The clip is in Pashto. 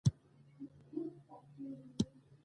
نندارچیان لوبه ګوري.